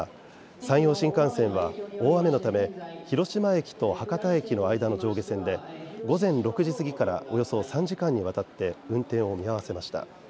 山陽新幹線は大雨のため広島駅と博多駅の路線で午前６時過ぎからおよそ３時間にわたって運転を見合わせました。